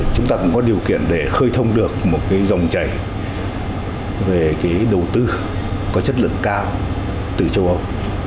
chúng ta cũng có điều kiện để khơi thông được một cái dòng chảy về đầu tư có chất lượng cao từ châu âu